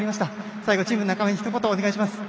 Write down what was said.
最後、チームの仲間にひと言お願いします。